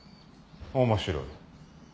面白い。